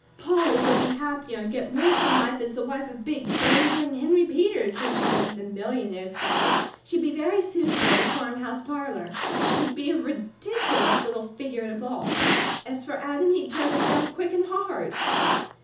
Polly would be happier and get more from life as the wife of big gangling Henry Peters, than she would as a millionaire's daughter. She'd be very suitable in a farmhouse parlour; she'd be a ridiculous little figure at a ball. As for Adam, he'd turn this down quick and hard."